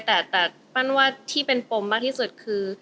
แต่ปั้นว่าที่เป็นปมมากที่สุดคือ